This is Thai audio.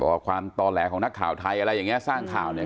ว่าความต่อแหลของนักข่าวไทยอะไรอย่างเงี้สร้างข่าวเนี่ย